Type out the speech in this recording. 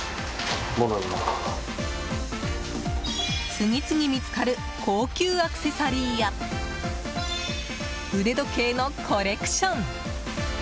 次々見つかる高級アクセサリーや腕時計のコレクション。